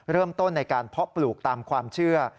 เริ่มต้นในการเพาะปลูกตามความเชื่อ